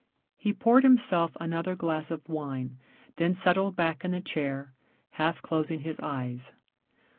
He poured himself another glass of wine, then settled back in the chair, half closing his eyes.